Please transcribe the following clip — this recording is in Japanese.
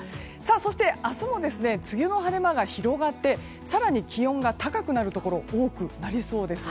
そして、明日も梅雨の晴れ間が広がって更に気温が高くなるところが多くなりそうです。